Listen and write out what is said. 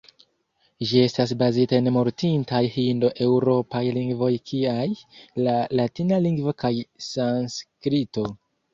Ĝi estas bazita en mortintaj hindo-eŭropaj lingvoj kiaj la latina lingvo kaj sanskrito.